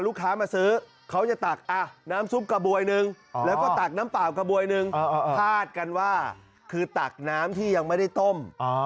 แล้วก็ตักน้ำเปล่ากระบวยหนึ่งพาดกันว่าคือตักน้ำที่ยังไม่ได้ต้ม